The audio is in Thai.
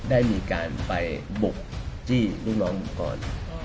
ได้มีการไปบุกจี้ลูกน้องก่อน